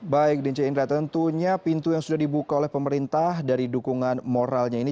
baik dince indra tentunya pintu yang sudah dibuka oleh pemerintah dari dukungan moralnya ini